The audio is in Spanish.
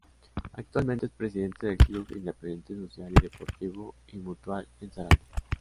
Actualmente es presidente del Club Independiente Social Y Deportivo Y Mutual en Zarate.